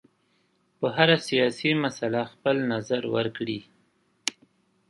په هره سیاسي مسله خپل نظر ورکړي.